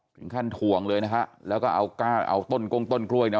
เป็นขั้นถ่วงเลยนะคะแล้วก็เอาต้นกลงต้นกล้วย